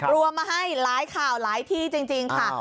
รวมมาให้หลายข่าวหลายที่จริงค่ะ